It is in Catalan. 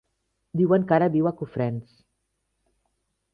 Diuen que ara viu a Cofrents.